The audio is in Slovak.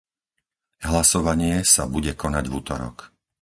Hlasovanie sa bude konať v utorok.